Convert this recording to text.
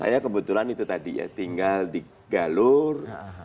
saya kebetulan itu tadi ya tinggal di galur